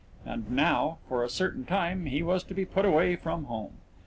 And now, for a certain time, he was to be away from home.